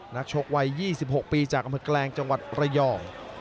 นักชกวัย๒๖ปีจากอำเภอแกลงจังหวัดระยอง